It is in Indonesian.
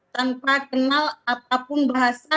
tanpa kenal apapun bahasa dari masyarakat